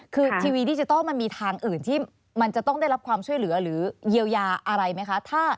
คือทีวีดิจิทัลมันมีทางอื่นที่มันจะต้องได้รับความช่วยเหลือหรือเยียวยาอะไรไหมคะ